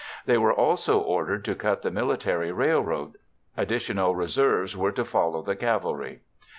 They were also ordered to cut the military railroad. Additional reserves were to follow the cavalry.